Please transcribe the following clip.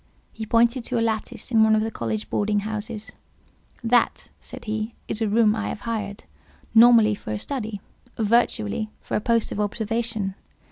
He pointed to a lattice in one of the college boarding houses. "That," said he, "is a room I have hired, nominally for a study—virtually for a post of observation.